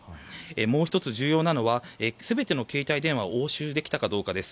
もう１つ重要なのは全ての携帯電話を押収できたかどうかです。